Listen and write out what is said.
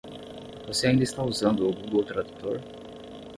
Você ainda está usando o Google Tradutor?